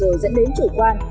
rồi dẫn đến chủ quan